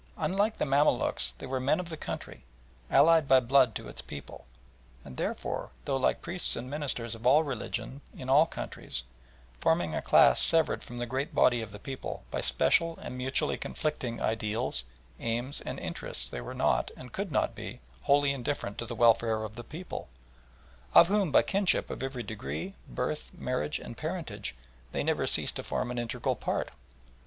Unlike the Mamaluks they were men of the country, allied by blood to its people, and therefore, though like priests and ministers of all religions in all countries, forming a class severed from the great body of the people by special and mutually conflicting ideals, aims, and interests, they were not, and could not be, wholly indifferent to the welfare of the people, of whom, by kinship of every degree, birth, marriage, and parentage, they never ceased to form an integral part.